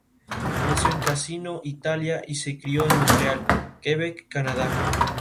Nació en Cassino, Italia, y se crio en Montreal, Quebec, Canadá.